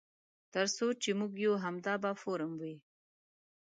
تر څو چې موږ یو همدا به فورم وي.